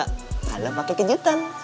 kalau pakai kejutan